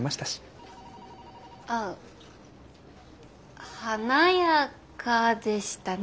あ華やかでしたね